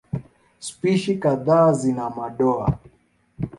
Spishi kadhaa zina madoa.